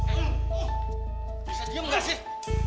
eh bisa diam gak sih